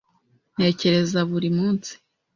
Ntekereza buri munsi.